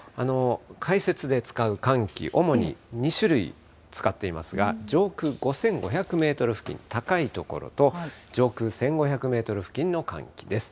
解説で使う寒気、主に２種類つかっていますが、上空５５００メートル付近、高い所と、上空１５００メートル付近の寒気です。